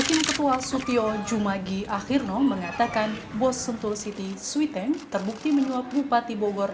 tim ketua sutio jumagi akhirno mengatakan bos sentul city suiteng terbukti menyuap bupati bogor